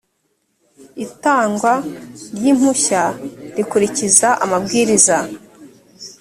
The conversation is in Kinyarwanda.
itangwa ry ‘impushya rikurikiza amabwiriza.